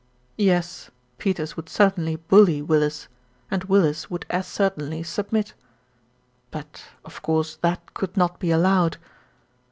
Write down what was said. Yes; Peters would certainly bully Willis, and Willis would as certainly submit. But of course that could not be allowed.